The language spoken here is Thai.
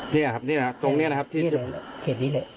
นี่ครับตรงนี้นะครับที่จะเข็ดนี้เลย